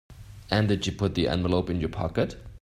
And did you put the envelope in your pocket?